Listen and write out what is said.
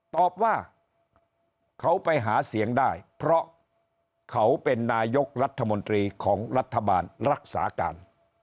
ตอบว่าเขาไปหาเสียงได้เพราะเขาเป็นนายกรัฐมนตรีของรัฐบาลรักษาการ